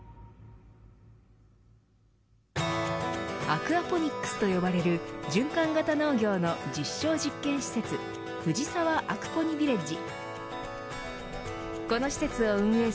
アクアポニックスと呼ばれる循環型農業の実証実験施設ふじさわアクポニビレッジ